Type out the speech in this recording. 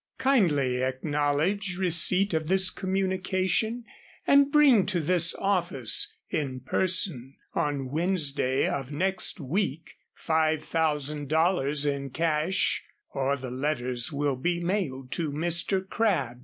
Kindly acknowledge receipt of this communication and bring to this office, in person, on Wednesday of next week, five thousand dollars in cash or the letters will be mailed to Mr. Crabb.